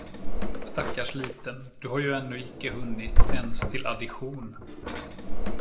Stackars liten, du har ju ännu icke hunnit ens till addition.